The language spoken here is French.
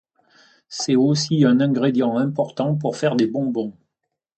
C'est aussi un ingrédient important pour faire des bonbons.